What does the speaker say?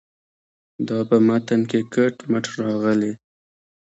دا په متن کې کټ مټ راغلې.